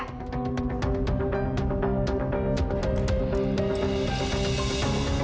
mas di mana mas